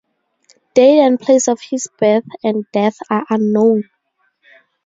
Date and place of his birth and death are unknown.